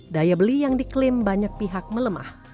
daya beli yang diklaim banyak pihak melemah